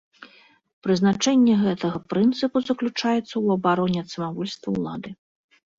Прызначэнне гэтага прынцыпу заключаецца ў абароне ад самавольства ўлады.